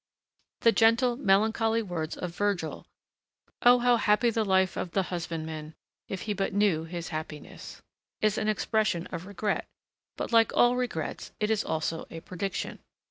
The gentle, melancholy words of Virgil: "O how happy the life of the husbandman, if he but knew his happiness!" is an expression of regret; but, like all regrets, it is also a prediction.